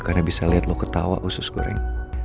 karena bisa liat lo ketawa usus goreng